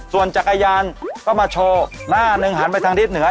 ส่วนจักรยานก็มาโชว์หน้าหนึ่งหันไปทางทิศเหนือ